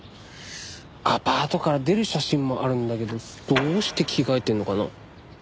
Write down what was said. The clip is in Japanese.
アパートから出る写真もあるんだけどどうして着替えてるのかな？